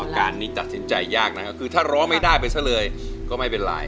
การนี้ตัดสินใจยากนะครับคือถ้าร้องไม่ได้ไปซะเลยก็ไม่เป็นไร